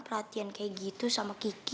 perhatian kayak gitu sama kiki